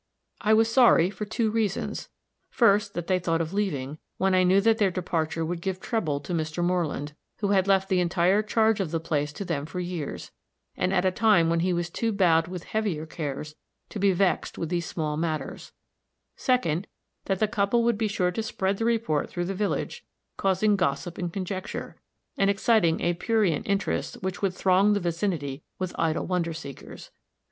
I was sorry, for two reasons: first, that they thought of leaving, when I knew that their departure would give trouble to Mr. Moreland, who had left the entire charge of the place to them for years, and at a time when he was too bowed with heavier cares to be vexed with these small matters; second, that the couple would be sure to spread the report through the village, causing gossip and conjecture, and exciting a prurient interest which would throng the vicinity with idle wonder seekers.